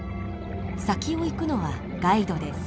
先を行くのはガイドです。